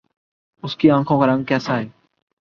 اس کی آنکھوں کا رنگ کیسا ہے